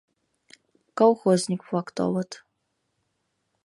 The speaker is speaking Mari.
Колхозник-влак толыт.